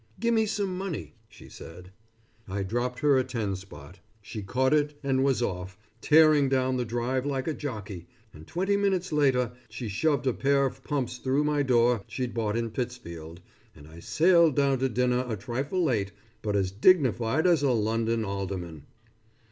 "Gimme some money," she said. I dropped her a ten spot. She caught it and was off, tearing down the drive like a jockey, and twenty minutes later she shoved a pair of pumps through my door she'd bought in Pittsfield, and I sailed down to dinner a trifle late, but as dignified as a London alderman.